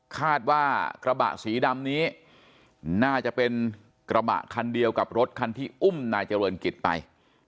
คาดว่ากระบะสีดำนี้น่าจะเป็นกระบะคันเดียวกับรถคันที่อุ้มนายเจริญกิจไป